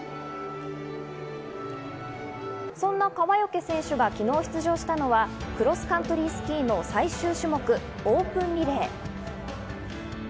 そんな川除選手が昨日出場したのはクロスカントリースキーの最終種目オープンリレー。